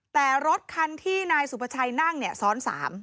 แต่รถคันที่นายสุภาชัยนั่งเนี่ยซ้อน๓